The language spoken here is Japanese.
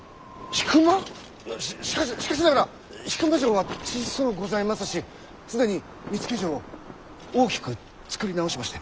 しかししかしながら引間城は小そうございますし既に見附城を大きく造り直しまして。